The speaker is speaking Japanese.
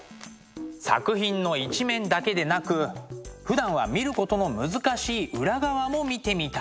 作品の一面だけでなくふだんは見ることの難しい裏側も見てみたい。